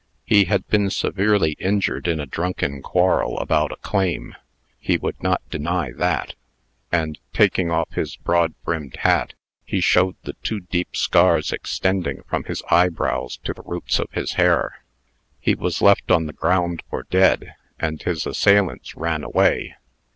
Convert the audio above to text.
He had been severely injured in a drunken quarrel about a claim he would not deny that; and, taking off his broad brimmed hat, he showed the two deep scars extending from his eyebrows to the roots of his hair. He was left on the ground for dead, and his assailants ran away.